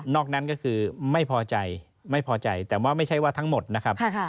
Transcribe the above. นั้นก็คือไม่พอใจไม่พอใจแต่ว่าไม่ใช่ว่าทั้งหมดนะครับ